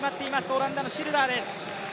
オランダのシルダーです。